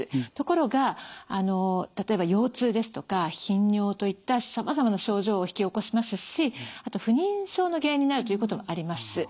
ところが例えば腰痛ですとか頻尿といったさまざまな症状を引き起こしますしあと不妊症の原因になるということもあります。